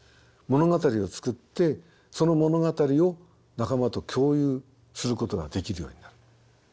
物語を作ってその物語を仲間と共有することができるようになる。